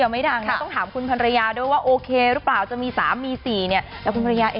วัดการสาวว่าใครจะชนะ